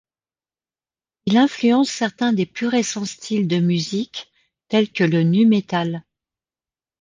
Il influence certains des plus récents styles de musique tels que le nu metal.